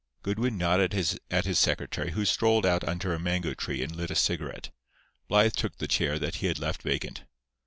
Goodwin nodded at his secretary, who strolled out under a mango tree and lit a cigarette. Blythe took the chair that he had left vacant.